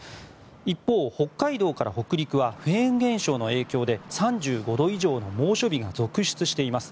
一方、北海道から北陸はフェーン現象の影響で３５度以上の猛暑日が続出しています。